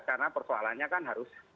karena persoalannya kan harus